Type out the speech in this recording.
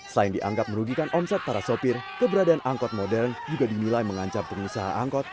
selain dianggap merugikan omset para sopir keberadaan angkot modern juga dinilai mengancam pengusaha angkot